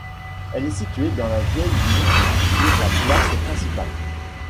Elle est située dans la Vieille Ville, sur la Place Principale.